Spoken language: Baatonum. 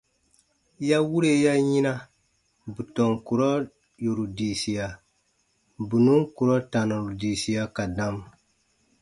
Ya wure ya yina bù tɔn kurɔ yòru diisia, bù nùn kurɔ tanaru diisia ka dam.